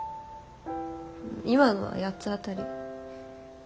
今のは八つ当たり。